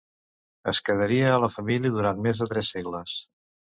Es quedaria a la família durant més de tres segles.